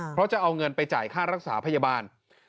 เพราะจะเอาเงินไปจ่ายค่ารักษาพยาบาล